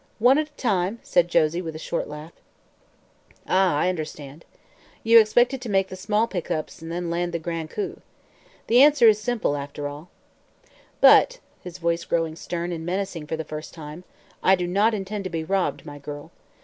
"One at a time," said Josie, with a short laugh. "Oh, I understand. You expected to make the small pick ups and then land the grand coup. The answer is simple, after all. But," he added, his voice growing stern and menacing for the first time, "I do not intend to be robbed, my girl.